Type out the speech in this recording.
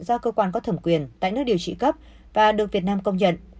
do cơ quan có thẩm quyền tại nước điều trị cấp và được việt nam công nhận